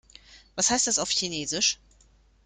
Was heißt das auf Chinesisch?